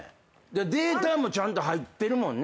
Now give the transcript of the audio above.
データもちゃんと入ってるもんね。